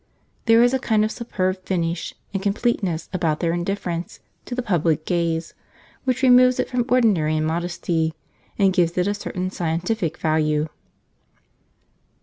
There is a kind of superb finish and completeness about their indifference to the public gaze which removes it from ordinary immodesty, and gives it a certain scientific value.